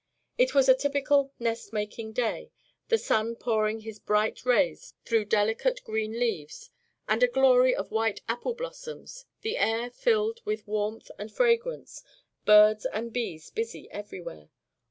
It was a typical nest making day, the sun pouring his bright rays through delicate green leaves and a glory of white apple blossoms, the air filled with warmth and fragrance, birds and bees busy everywhere.